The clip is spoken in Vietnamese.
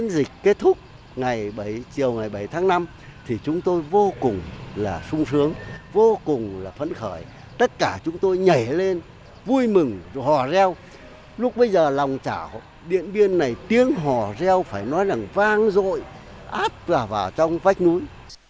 lúc bây giờ lòng trả điện biên này tiếng hò reo phải nói là vang rội áp vào trong vách núi